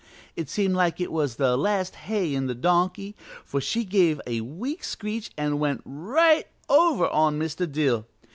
It seemed like it was the last hay in the donkey, for she give a weak screech an' went right over on Mr. Dill.